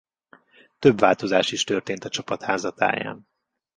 Több változás is történt a csapat háza táján.